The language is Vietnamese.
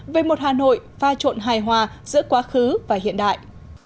về một hà nội pha trộn hài hòa giữa quá khứ và hiện đại